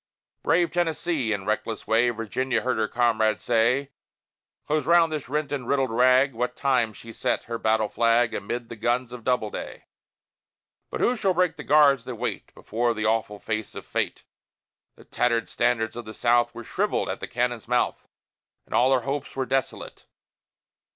Brave Tennessee! In reckless way Virginia heard her comrade say: "Close round this rent and riddled rag!" What time she set her battle flag Amid the guns of Doubleday. But who shall break the guards that wait Before the awful face of Fate? The tattered standards of the South Were shrivelled at the cannon's mouth, And all her hopes were desolate.